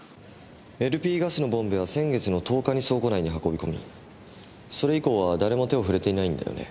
ＬＰガスのボンベは先月の１０日に倉庫内に運び込みそれ以降は誰も手を触れていないんだよね？